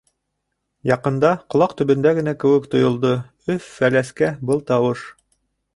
Яҡында, ҡолаҡ төбөндә генә кеүек тойолдо Өф-Фәләскә был тауыш.